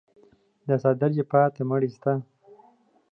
دا څادر دې پاته مړی شته.